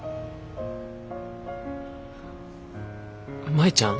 舞ちゃん。